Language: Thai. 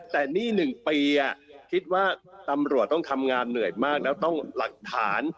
แต่นี่๑ปีคิดว่าตำรวจต้องทำงานเหนื่อยมากแล้วต้องหลักฐาน